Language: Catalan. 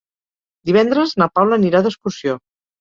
Divendres na Paula anirà d'excursió.